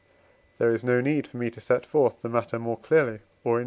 There is no need for me to set forth the matter more clearly or in more detail.